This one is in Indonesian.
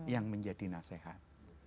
yang menjadi nasihat